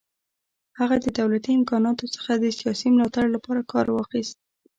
هغه د دولتي امکاناتو څخه د سیاسي ملاتړ لپاره کار واخیست.